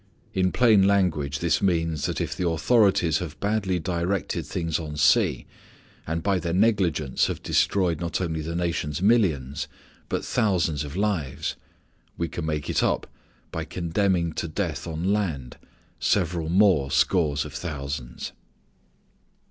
In plain language this means that if the authorities have badly directed things on sea, and by their negligence have destroyed not only the nation's millions, but thousands of lives, we can make it up by condemning to death on land several more scores of thousands!